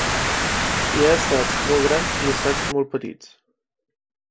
Hi ha estats molt grans i estats molt petits.